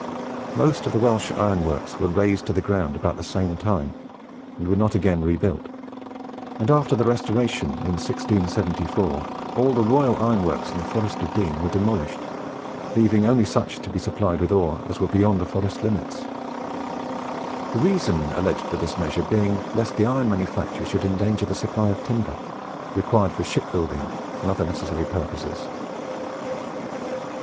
Most of the Welsh ironworks were razed to the ground about the same time, and were not again rebuilt. And after the Restoration, in 1674, all the royal ironworks in the Forest of Dean were demolished, leaving only such to be supplied with ore as were beyond the forest limits; the reason alleged for this measure being lest the iron manufacture should endanger the supply of timber required for shipbuilding and other necessary purposes.